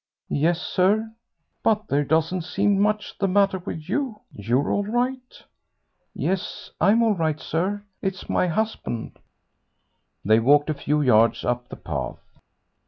"Yes, sir." "But there doesn't seem much the matter with you. You're all right." "Yes, I'm all right, sir; it's my husband." They walked a few yards up the path.